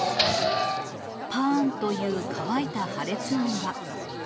ぱーんという乾いた破裂音が。